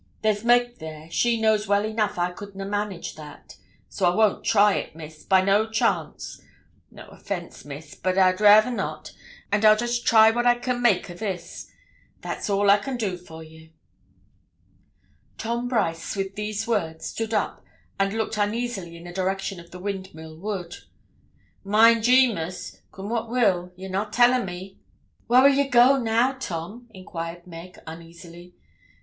There's Meg there, she knows well enough I could na' manage that; so I won't try it, Miss, by no chance; no offence, Miss; but I'd rayther not, an' I'll just try what I can make o'this; that's all I can do for ye.' Tom Brice, with these words, stood up, and looked uneasily in the direction of the Windmill Wood. 'Mind ye, Miss, coom what will, ye'll not tell o' me?' 'Whar 'ill ye go now, Tom?' inquired Meg, uneasily.